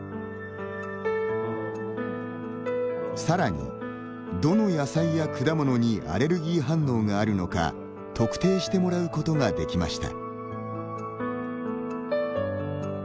さらに、どの野菜や果物にアレルギー反応があるのか特定してもらうことができました。